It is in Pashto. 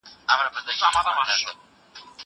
هغه وويل چي لیکل ضروري دي!